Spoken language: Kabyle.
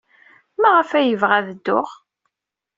Maɣef ay yebɣa ad dduɣ?